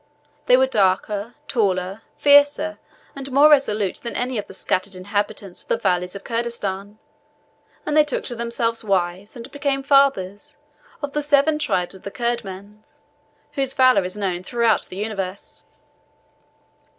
They were darker, taller, fiercer, and more resolute than any of the scattered inhabitants of the valleys of Kurdistan; and they took to themselves wives, and became fathers of the seven tribes of the Kurdmans, whose valour is known throughout the universe."